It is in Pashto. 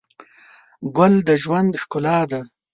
ګل د ژوند ښکلا ده.